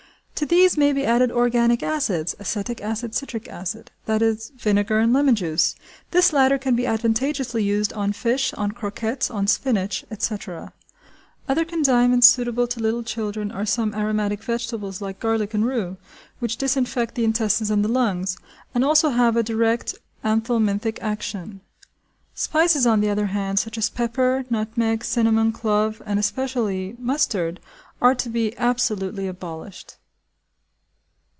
To these may be added organic acids (acetic acid, citric acid) that is, vinegar and lemon juice; this latter can be advantageously used on fish, on croquettes, on spinach, etc. Other condiments suitable to little children are some aromatic vegetables like garlic and rue which disinfect the intestines and the lungs, and also have a direct anthelminthic action. Spices, on the other hand, such as pepper, nutmeg, cinnamon, clove, and especially mustard, are to be absolutely abolished.